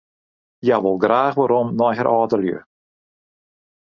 Hja wol graach werom nei har âldelju.